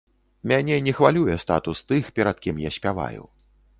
Мяне не хвалюе статус тых, перад кім я спяваю.